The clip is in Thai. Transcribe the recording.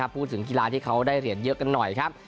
พูดถึงกีฬาที่เขาได้เหรียญเยอะกันหน่อยครับ